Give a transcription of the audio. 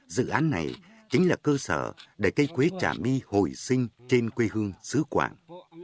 dự án này chính là cơ sở để cây quế trà my hồi sinh trên quê hương xứ quảng